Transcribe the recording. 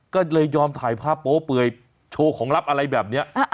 ก็เลยยอมถ่ายภาพโป๊เปื่อยโชว์ของลับอะไรแบบนี้